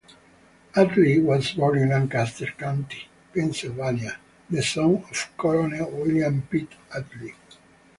Atlee was born in Lancaster County, Pennsylvania, the son of Colonel William Pitt Atlee.